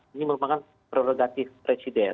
ini merupakan prerogatif presiden